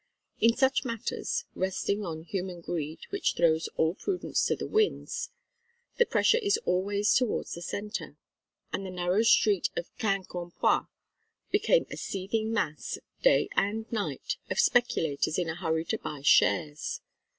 In such matters, resting on human greed which throws all prudence to the winds, the pressure is always towards the centre; and the narrow street of Quin cam poix became a seething mass, day and night, of speculators in a hurry to buy shares.